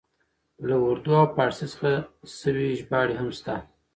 له اردو او پاړسي څخه شوې ژباړې هم شته.